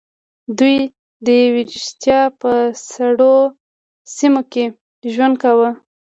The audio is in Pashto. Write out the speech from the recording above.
دوی د یوریشیا په سړو سیمو کې ژوند کاوه.